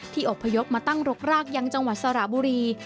อบพยพมาตั้งรกรากยังจังหวัดสระบุรี